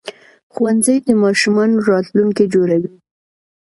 ښوونځي د ماشومانو راتلونکي جوړوي